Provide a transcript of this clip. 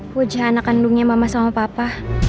puja anak kandungnya mama sama papa